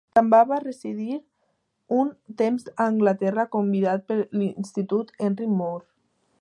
També va residir un temps a Anglaterra convidat per l'Institut Henry Moore.